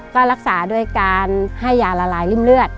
ก็รักษาด้วยการให้ยาละลายริ่มเลือด